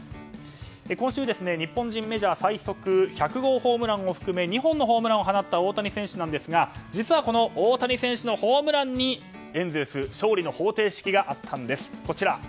今週、日本人メジャー最速１００号ホームランを含め２本のホームランを放った大谷選手なんですが実はこの大谷選手のホームランにエンゼルス勝利の方程式があったんです。